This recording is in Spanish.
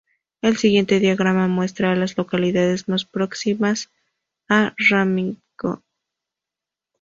El siguiente diagrama muestra a las localidades más próximas a Remington.